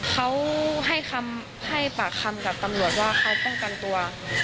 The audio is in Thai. เขาให้ปากคำกับตำรวจว่าเขาป้องกันตัว